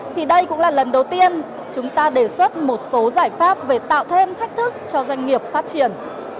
thì đây cũng là lần đầu tiên chúng ta đề xuất một số giải pháp về tạo thêm thách thức cho doanh nghiệp phát triển